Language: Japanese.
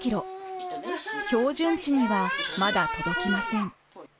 標準値にはまだ届きません。